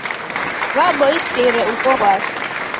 W'aboisire ugho w'asi.